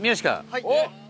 はい！